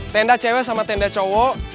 tenda cewek sama tenda cowok